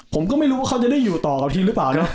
ผมก็ไม่รู้ว่าเขาจะได้อยู่ต่อกับทีมหรือเปล่านะ